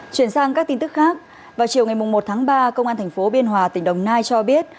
chuyển sang các tin tức khác vào chiều ngày một tháng ba công an tp biên hòa tỉnh đồng nai cho biết